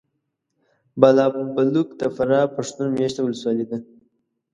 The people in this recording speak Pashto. بالابلوک د فراه پښتون مېشته ولسوالي ده .